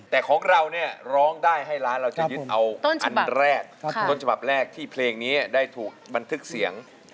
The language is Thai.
แต่ของเราเนี่ยร้องได้ให้ร้านเราจะยึดเอาอันแรกต้นฉบับแรกที่เพลงนี้ได้ถูกบันทึกเสียง